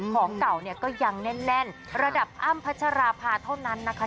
ของเก่าเนี่ยก็ยังแน่นระดับอ้ำพัชราภาเท่านั้นนะคะ